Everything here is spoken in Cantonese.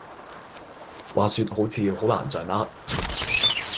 滑雪好似好難掌握